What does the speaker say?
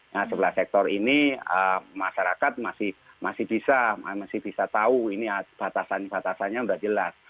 nah sebelah sektor ini masyarakat masih bisa tahu ini batasan batasannya sudah jelas